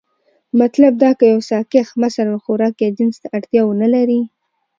مطلب دا که يو ساکښ مثلا خوراک يا جنس ته اړتيا ونه لري،